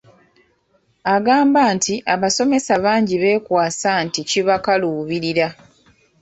Agamba nti abasomesa bangi beekwasa nti kibakaluubirira.